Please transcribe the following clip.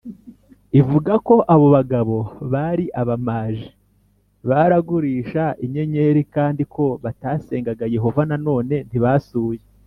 ivuga ko abo bagabo bari abamaji baragurisha inyenyeri kandi ko batasengaga Yehova Nanone ntibasuye